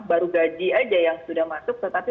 baru gaji aja yang sudah masuk tetapi